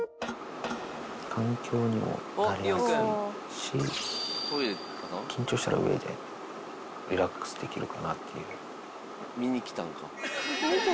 環境にも慣れやすいし、緊張したら上でリラックスできるかなって。